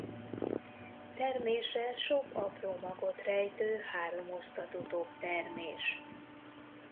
Termése sok apró magot rejtő háromosztatú toktermés.